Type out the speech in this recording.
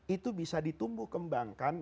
itu bisa ditumbuh kembangkan